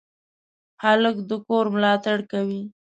هلک د کور ملاتړ کوي.